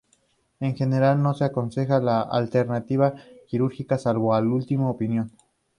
En general, no se aconseja la alternativa quirúrgica salvo como última opción.